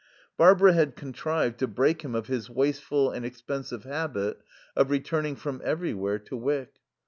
Barbara had contrived to break him of his wasteful and expensive habit of returning from everywhere to Wyck.